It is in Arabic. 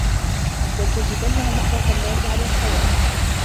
وَلَتَجِدَنَّهُمْ أَحْرَصَ النَّاسِ عَلَىٰ حَيَاةٍ